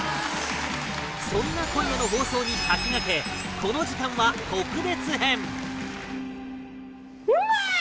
そんな今夜の放送に先駆けこの時間は特別編